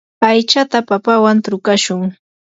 aytsata papawan trukashun.